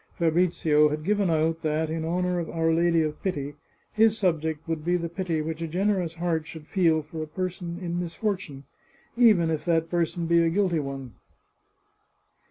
Fabrizio had given out that, in honour of Our Lady of Pity, his subject would be the pity which a generous heart should feel for a person in misfor tune, even if that person be a guilty one.